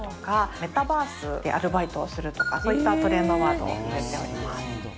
メタバースでアルバイトをするとか、そういったトレンドワードを入れております。